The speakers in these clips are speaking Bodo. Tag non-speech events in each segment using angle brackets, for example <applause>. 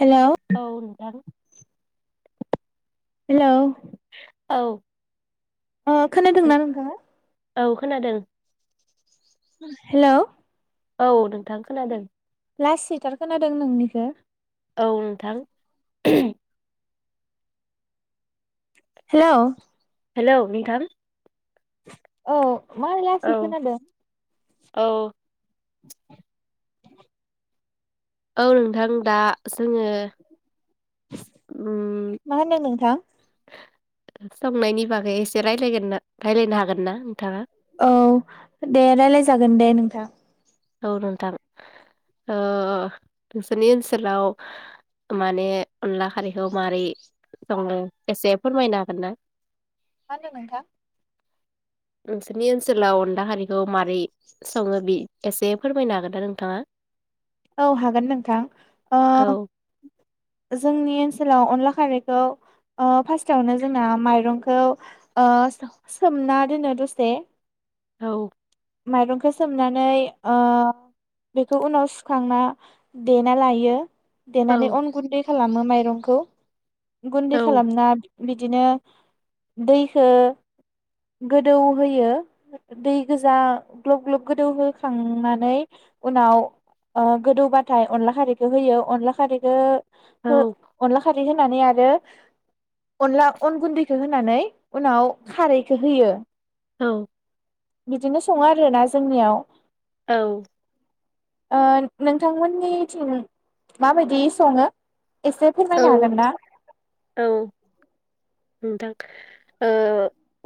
हेलौ औ नोंथां। हेलौ। औ। खोनादोंना नोंथाङा। औ खोनादों। हेलौ। औ नोंथां खोनादों। लासैथार खोनादों नोंनिखो। औ नोंथां। हेलौ। हेल नोंथां। औ‌। एमान लासै औ खोनादों। औ औ नोंथां दा जोङो। उम मा होनदों नोंथां। संनायनि बागै एसे रायलायगोना राय्लायनो हागोन ना नोंथाङा। औ दे राय्लाय जागोन दे नोंथां। औ नोंथां ओ नोंसोरनि ओनसोलाव माने अनला खारैखौ माबोरै सङो एसे फोरमायनो हागोन ना। मा होनदों नोंथां। नोंसोरनि ओनसोलाव अला खारिखौ। मारै सङो बि। एसे फोरमायनो हागोन दा नोंथाङा। औ हागोन नोंथां ओ। औ जोंनि ओनसोलाव अनला खारैखौ ओ फास्टआवनो जोंना माइरंखौ ओ सोमना दोनो दसे। औ। माइरंखौ सोमनानै ओ बेखौ उनाव सुखांना देना लायो। औ देननानै अन गुन्दै। खालामो माइरंखौ गुन्दै औ खालामना बिदिनो दैखो गोदौ होयो दै गोज जा ग्लब ग्लब गोदौ होखांनानै उनाव ओ गोदौबाथाय अनला खारैखो होयो अनला खारैखो हो औ अनलाखारै दै होनानै आरो अनला अन गुन्दैखो होनानै उनाव खारैखो होयो औ बिदिनो सङो आरोना जोंनियाव औ ओ नोंथांमोननिथिं माबायदि सङो? एसे औ फोरमायनो हागोनना? औ नोंथां ओ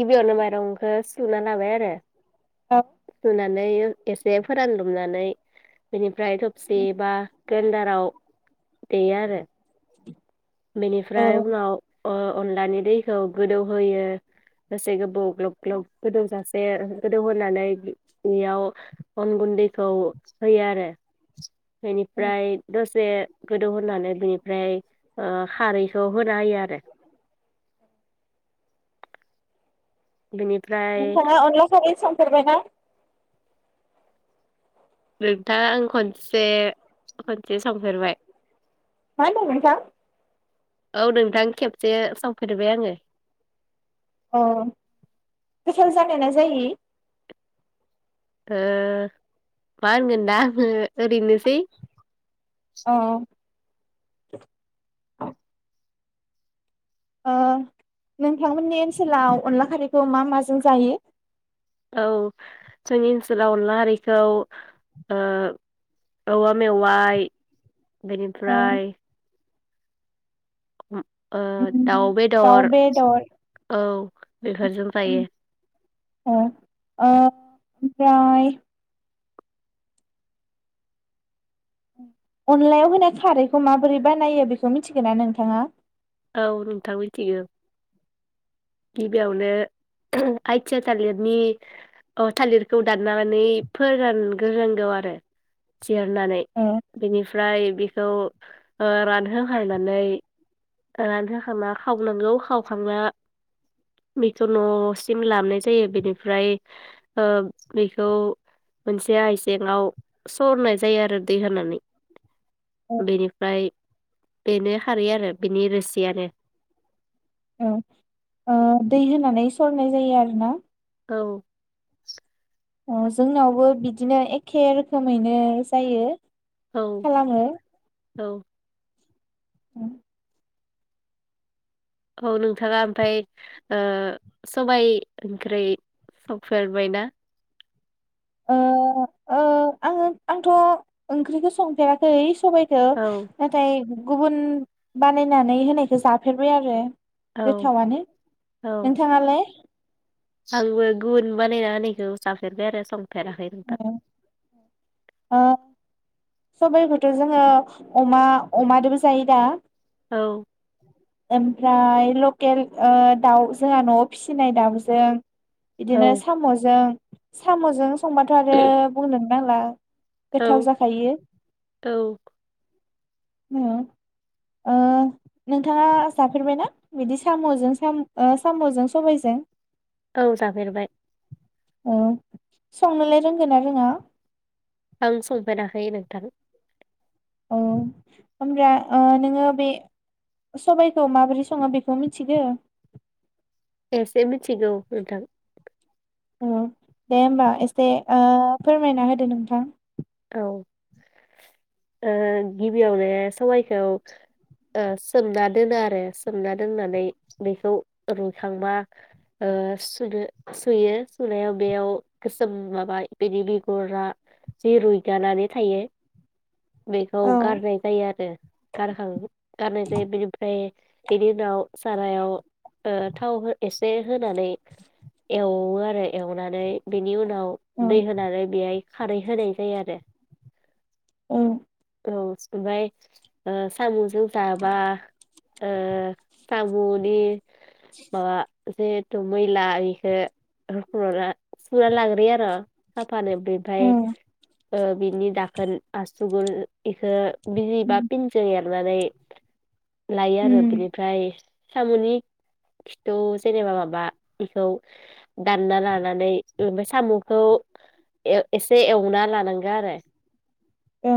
गिबियावनो माइरंखो सुना लाबाय आरो औ नै एसे फोरानदमनानै बेनि फ्राय थबसि एबा गेन्डाराव देयो आरो बेनिफ्राय औ उनाव अ-अनलानि दैखौ गोदौहोयो दसे गोबोव ग्लब ग्लब गोदौजासे गोदौहोनानै बे-बेयाव अन गुन्दैखौ होयो आरो बेनिफ्राय दसे गोदौ होनानै बिनिफ्राय ओ खारैखौ हो जायो आरो बेनिफ्राय नोंथांआ अनलाखारै सं फेरबायना <unintelligible> दा आं खनसे खनसे संफेरबाय मा होनदों नोंथां औ नोंथां खेबसे संफेरबाय आङो अ गोसाल जानायना जायि? ओ मा होनगोन दा आङो ओरैनोसै अ <unintelligible> ओ नोंथांमोननि ओनसोलाव अनला खारैखौ मा माजों जायो? औ जोंनि ओनसोलाव अनला खारिखौ ओ औवा मेवाय ओ बेनिफ्राय <unintelligible> ओ उम दाउ बेदर औ बेफोरजों ओ जायो। ओ ओमफ्राय अनलायाव होनाय खारैखौ माबोरै बानायो बेखौ मिथिगोना नोंथाङा? औ नोंथां मिथिगौ गिबियावनो आइथिया थालिरनि थालिरखौ दाननानै फोरानग्रोनांगौ आरो जिरनानै ओ बेनिफ्राय खौ रानहोखांनानै रानहोखांना खावनांगौ खावखांना बेखौ न'सिम लाबोनाय जायो बेनिफ्राय बेखौ मोनसे आइजेङाव सरनाय जायो आरो दै होनानै। औ बेनिफ्राय बेनो खारै आरो बिनि रोसियानो। औ ओ दै होनानै सरनाय जायो आरो ना। औ अ जोंनावबो बिदिनो एखे रोखोमैनो जायो। औ खालामो औ <unintelligible> औ नोंथाङा ओमफ्राय ओ सबाय ओंख्रि संफेरबायना? ओ ओ आङो आंथ' ओंख्रिखौ संफेराखै सबायखो औ नाथाय गुबुन बानायनानै होनायखौ जाफेरबाय आरो औ गोथावनो औ नोंथाङालाय? आंबो गुबुन बानायना होनायखौ जाफेरबाय आरो स फेराखै नोंथां। ओ सबाइखौथ' जोङो अमा अमादोंबो जायो दा? औ ओमफ्राय लकेल ओ दाउ जोंहा न'आव फिसिनाय दाउजों बिदिनो औ साम'जों साम'जों संबाथ' आरो बुंनोनो नांला औ गोथाव जाखायो। औ ओ नोंथाङा जाफेरबायना बिदि साम'जों साम ओ सामजों सबायजों? औ जाफेरबाय औ संनोलाय रोंगोना रोङा? आं संफेराखै नोंथां। औ होमब्ला ओ नोङो बे सबायखौ माबोरै सङो बेखौ मिथिगो? एसे मिथिगौ नोंथां। औ दे होमबा एसे ओ फोरमायना होदो नोंथां। औ ओ गिबियावनो सबायाइखौ ओ सोमना दोनो आरो सोमना दोननानै बेखौ रुइखांबा ओ सुनो सुयो सुनायाव बेयाव गोसोम माबा बिनि बिगुरा जि रुइगानानै थायो बेखौ औ गारनाय जायो आरो गारखां गारनाय जायो बिनिफ्राय बेनि उनाव सारायाव ओ थाव हो एसे होनानै एवो आरो एवनानै बेनि उन उनाव औ दै होनानै बेयाय खारै होनाय जायो आरो। उ औ ओमफ्राय ओ साम'जों जाबा ओ सामुनि माबा जेहेथु मैला इखो रुख्लना सुना लाग्रोयो आर साफानो बेफाय उम ओ बिनि दाखोन आसुगुर इखो बिजि बा पिनजो एर <unintelligible> नानै लायो आरो बिनिफ्राय सामुनि खिथु जेनेबा माबा इखौ दानना लानानै ओमाय सामुखौ ए एसे एवना लानांगो आरो ओ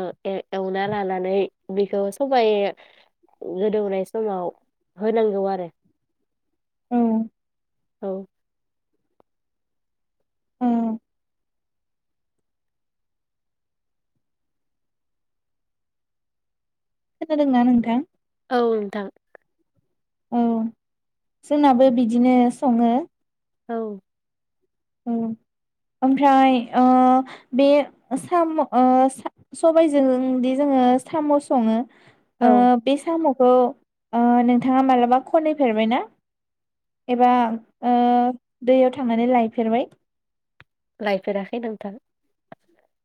ओ ए-एवना लानानै बेखौ सबाय गोदौनाय समाव होनांगौ आरो औ औ ओ खोनादोंना नोंथां? औ नोंथां औ जोंनाबो बिदिनो सङो। औ ओ ओमफ्राय ओ बे साम' ओ सा-सबायजोंदि जोङो साम' सङो ओ औ बे साम' खौ ओ नोंथाङा मालाबा खनैफेरबायना एबा ओ दैयाव थांनानै लाय फेरबाय? लायफेराखै नोंथां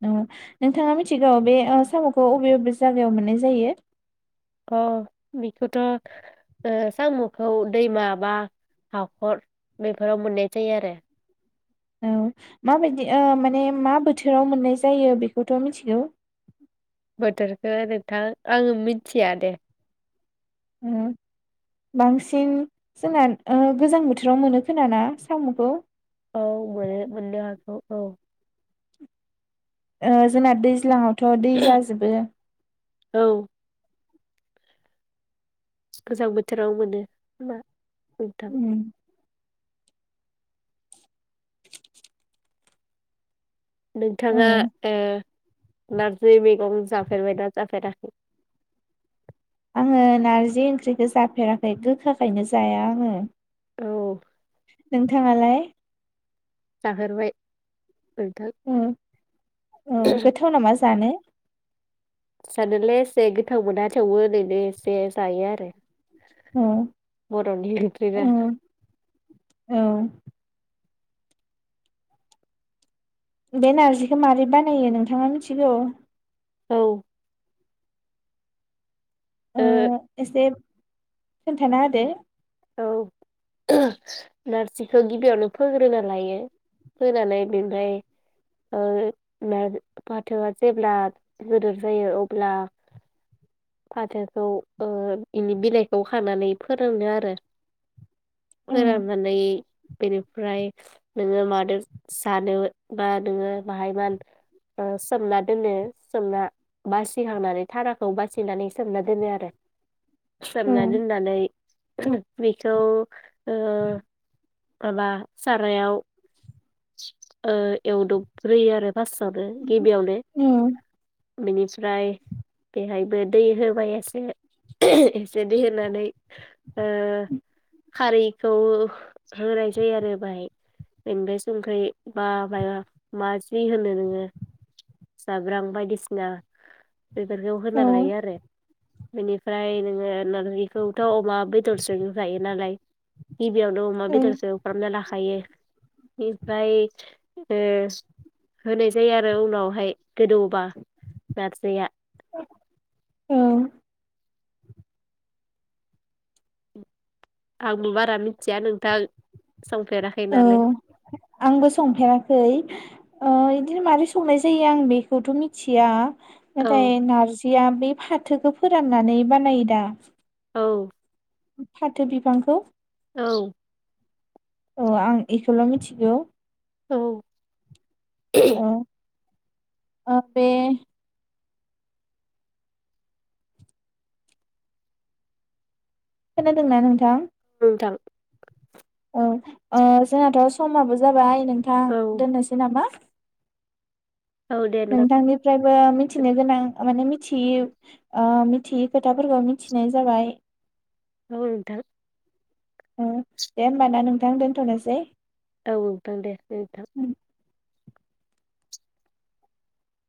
ओ नोंथाङा मिथिगौ बे ओ साम'खौ अबे अबे जागायाव मोननाय जायो अ बेखौथ ओ सामुखौ दैमा बा हाखर बेफोराव मोननाय जायो आरो। औ माबायदि ओ माने मा बोथोराव मोननाय जायो बेखौथ मिथिगौ। बोथोरखो नोंथां आङो मिथिया दे। ओ बांसिन जोंना ओ गोजां बोथोराव मोनो खोना ना सामखौ औ मोनो मोननो हागौ औ ओ जोंना दैज्लांआव थ दै जाजोबो औ गोजां बोथोराव मोनो खोमा नोंथां उम औ नोंथाङा ओ नारजि मैगं जाफेरबायना जाफेराखै। आङो नारजि ओंख्रिखौ जाफेराखै गोखा खायनो जाया आङो। औ। नोंथाङालाय। जाफेरबाय। नोंथां। औ गोथाव नामा जानो। जानोलाय एसे गोथाव मोना थेवबो ओरैनो एसे जायो आरो औ बर'नि औ ओंख्रिना औ बे नारजिखौ मारै बानायो नोंथाङा मिथिगौ। औ ओ एसे। खोनथाना होदो। औ नारजिखौ गिबियावनो फोग्रोना लायो फोनानै बेनिफ्राय नार फाथोआ जेब्ला गोदोर जायो अब्ला। फाथोखौ ओ बिनि बिलाइखौ खानानै फोरोंनो आरो उम फोराननानै बेनिफ्राय। नोङो मादो जानो बा नोङो बाहायमान सोमना दोनो सोमना बासिखांनानै थाराखौ बासि। बासिनानै सोमना दोनो आरो सोमना उम दोननानै। बिखौ। माबा सारायाव। ओ एवदब ग्रोयो आरो फासआवनो। गिबियावनो। उम बेनिफ्राय बेहायबो दै होबाय एसे एसे दै होनानै खारैखौ होनाय जायो आरो बाहाय बेनिफ्राय। संख्रि बा मायबा मा जि होनो नोङो जाब्रां बायदिसिना। बेफोरखौ औ होना लायो आरो बेनिफ्राय नोङो नारजिखौथ' अमा बेदरजोंनो जायो नालाय गिबियावनो अमा औ बेदरजों एवफ्रामना लाखायो। ओमफ्राय होनाय जायो आरो उनावहाय गोदौबा नारजिया। औ आंबो बारा मिथिया नोंथां। संफेराखै औ नालाय आंबो संफेराखै। ओ इदिनो माबोरै संनाय जायो आं बेखौथ' मिथिया। औ नाथाइ नारजिखो। बिया बे फाथोखौ फोराननानै बानायो दा। औ फाथो बिफांखौ। औ औ आं इखौल' मिथिगौ। औ <unintelligible> अ बे - खोनादोंना नोंथां? <unintelligible> औ ओ जोहाथ' समाबो जाबाय नोंथां औ दोननोसै नामा औ दे नोंथां। फ्रायबो मिथिनो गोनां माने मिथियि ओ मिथियि खोथाफोरखौ मिथिनाय जाबाय। औ नोंथां। ओ दे होमबा ना नोंथां दोनथ'नोसै। औ दे नोंथां।